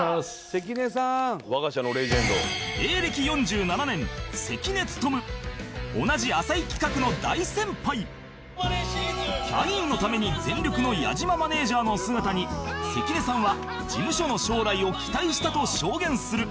「関根さん」「我が社のレジェンド」キャインのために全力の矢島マネジャーの姿に関根さんは事務所の将来を期待したと証言する